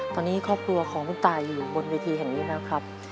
ตอนนี้ครอบครัวของคุณตายอยู่บนเวทีแห่งนี้แล้วครับ